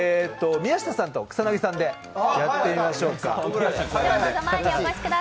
宮下さんと草薙さんでやってみましょうか。